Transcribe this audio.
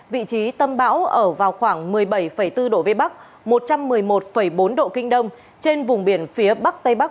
vị trí tâm bão ở vào khoảng một mươi bảy bốn độ vn một trăm một mươi một bốn độ k trên vùng biển phía bắc tây bắc